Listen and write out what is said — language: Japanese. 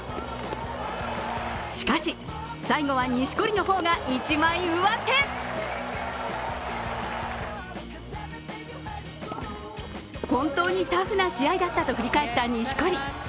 しかし、最後は錦織の方が一枚上手本当にタフな試合だったと振り返った錦織。